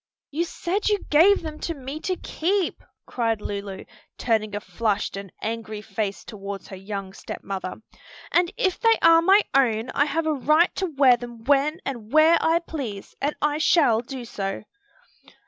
"You said you gave them to me to keep!" cried Lulu, turning a flushed and angry face toward her young step mother; "and if they are my own, I have a right to wear them when and where I please, and I shall do so."